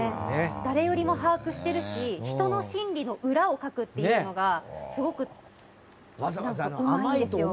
誰よりも把握してるし人の心理の裏をかくというのがすごくうまいんですよ。